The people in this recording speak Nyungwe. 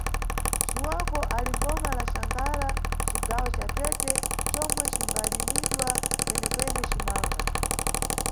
Xiwoko ali mʼboma la Xangara, cigawo ca Tete comwe cimbalimidwa kwenekwene cimanga.